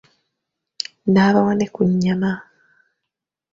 N'abawa ne ku nyama.